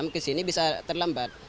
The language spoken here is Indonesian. ke sini bisa terlambat